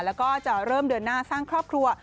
แล้วก็จะเริ่มเดินหน้าสร้างครอบครัว